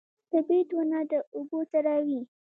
د بید ونه د اوبو سره وي